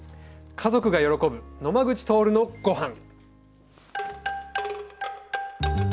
「家族が喜ぶ野間口徹のごはん」。